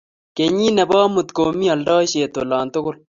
kenyit nebo amut komi aldaishet ola tugul